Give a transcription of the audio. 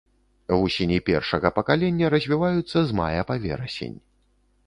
Вусені першага пакалення развіваюцца з мая па верасень.